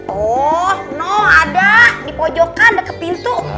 oh no ada di pojokan deket pintu